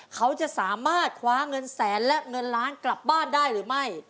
เขาจะสามารถคว้าเงินแสนและเงินล้านกลับบ้านได้หรือไม่